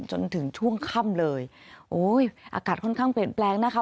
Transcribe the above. จนถึงช่วงค่ำเลยโอ้ยอากาศค่อนข้างเปลี่ยนแปลงนะคะ